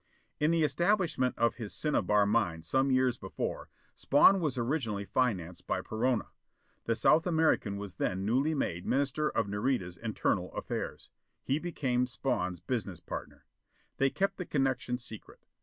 In the establishment of his cinnabar mine some years before, Spawn was originally financed by Perona. The South American was then newly made Minister of Nareda's Internal Affairs. He became Spawn's business partner. They kept the connection secret.